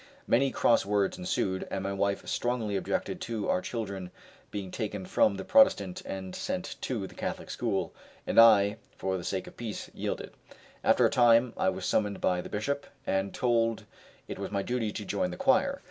Many cross words ensued, and my wife strongly objected to our children being taken from the Protestant and sent to the Catholic school, and I, for the sake of peace, yielded. After a time I was summoned by the Bishop, and told it was my duty to join the choir.